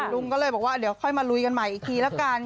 ลุงก็เลยบอกว่าเดี๋ยวค่อยมาลุยกันใหม่อีกทีละกัน